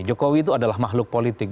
jokowi itu adalah makhluk politik